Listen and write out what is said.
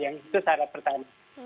itu syarat pertama